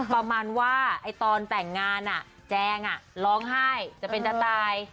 ประมาณว่าตอนแต่งงานแจงร้องไห้จะเป็นจะตาย